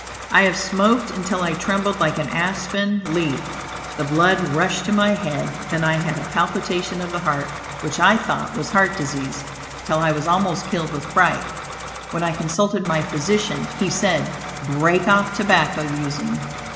I have smoked until I trembled like an aspen leaf, the blood rushed to my head, and I had a palpitation of the heart which I thought was heart disease, till I was almost killed with fright. When I consulted my physician, he said "break off tobacco using."